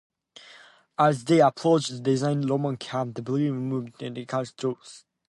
As they approached the besieged Roman camp, the Belgae moved to engage Caesar's troops.